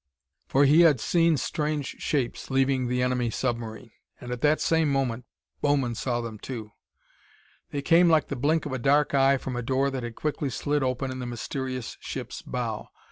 For he had seen strange shapes leaving the enemy submarine. And at that same moment, Bowman saw them, too. They came like the blink of a dark eye from a door that had quickly slid open in the mysterious ship's bow.